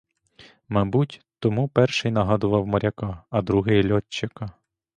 Мабуть, тому перший нагадував моряка, а другий — льотчика.